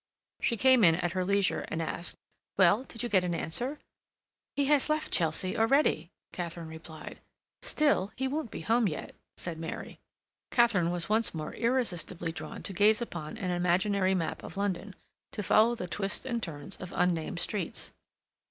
She came in at her leisure and asked: "Well, did you get an answer?" "He has left Chelsea already," Katharine replied. "Still, he won't be home yet," said Mary. Katharine was once more irresistibly drawn to gaze upon an imaginary map of London, to follow the twists and turns of unnamed streets.